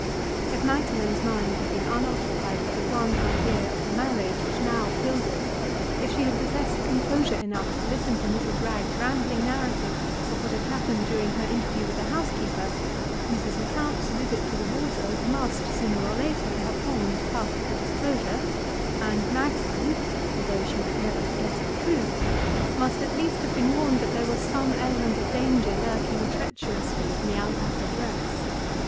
If Magdalen's mind had been unoccupied by the one idea of the marriage which now filled it—if she had possessed composure enough to listen to Mrs. Wragge's rambling narrative of what had happened during her interview with the housekeeper—Mrs. Lecount's visit to the wardrobe must, sooner or later, have formed part of the disclosure; and Magdalen, although she might never have guessed the truth, must at least have been warned that there was some element of danger lurking treacherously in the Alpaca dress.